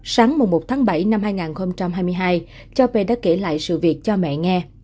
sáng một tháng bảy năm hai nghìn hai mươi hai cho p đã kể lại sự việc cho mẹ nghe